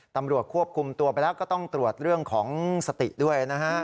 ตำรวจควบคุมตัวไปแล้วก็ต้องตรวจเรื่องของสติด้วยนะฮะ